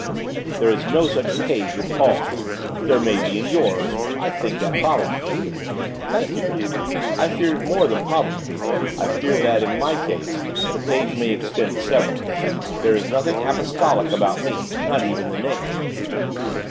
'There is no such page in Paul's, there may be in yours; I think that probable.' 'Thank you. I fear it is more than probable. I fear that, in my case, the page may extend to several. There is nothing Apostolic about me, not even the name.